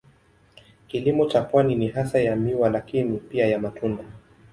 Kilimo cha pwani ni hasa ya miwa lakini pia ya matunda.